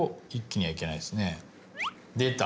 出た。